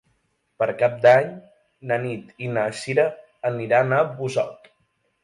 Per Cap d'Any na Nit i na Sira aniran a Busot.